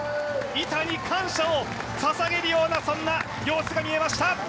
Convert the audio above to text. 板に感謝を捧げるような様子が見えました。